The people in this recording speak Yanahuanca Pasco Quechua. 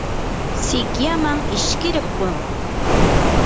sikyaman ishkirquu.